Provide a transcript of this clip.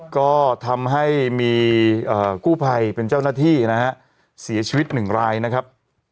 ก็ทำให้มีกู้ภัยเป็นเจ้าหน้าที่นะฮะเสียชีวิตหนึ่งรายนะครับ